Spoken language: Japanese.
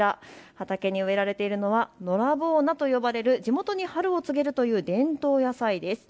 畑に植えられているのはのらぼう菜と呼ばれる地元に春を告げるという伝統野菜です。